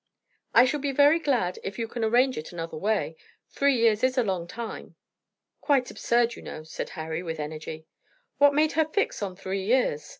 "I shall be very glad if you can arrange it any other way. Three years is a long time." "Quite absurd, you know," said Harry, with energy. "What made her fix on three years?"